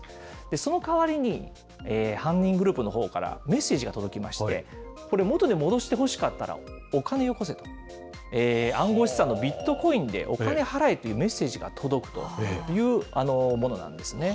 その代わりに、犯人グループのほうからメッセージが届きまして、これ、元に戻してほしかったら、お金をよこせと、暗号資産のビットコインでお金払えというメッセージが届くというものなんですね。